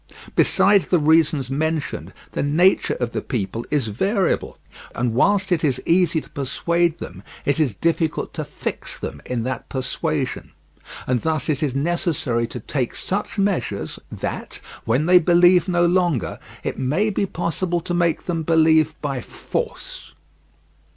Besides the reasons mentioned, the nature of the people is variable, and whilst it is easy to persuade them, it is difficult to fix them in that persuasion. And thus it is necessary to take such measures that, when they believe no longer, it may be possible to make them believe by force.